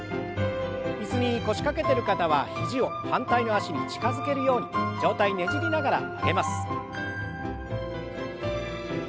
椅子に腰掛けてる方は肘を反対の脚に近づけるように上体ねじりながら曲げます。